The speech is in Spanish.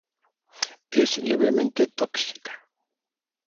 Es levemente tóxica.